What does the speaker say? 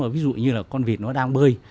ví dụ như con vịt đang bơi